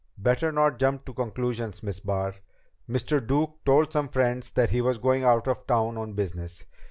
"Better not jump to conclusions, Miss Barr. Mr. Duke told some friends that he was going out of town on business.